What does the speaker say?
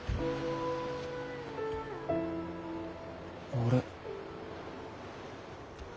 あれ。